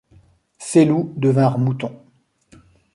Ces loups devinrent moutons.